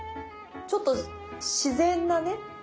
ちょっと自然なね